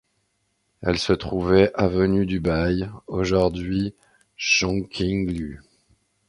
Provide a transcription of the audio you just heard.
Elle se trouvait avenue Dubail, aujourd'hui Chongqing Lu.